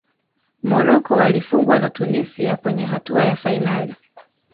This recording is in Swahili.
morocco walifungwa na tunisia kwenye hatua ya fainali